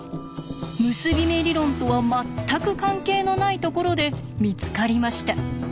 結び目理論とは全く関係のないところで見つかりました。